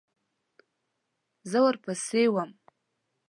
زه ورپسې وم .